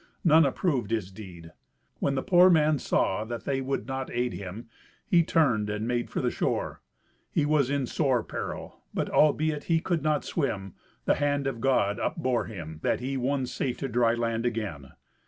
None approved his deed. When the poor man saw that they would not aid him, he turned and made for the shore. He was in sore peril. But, albeit he could not swim, the hand of God upbore him, that he won safe to the dry land again.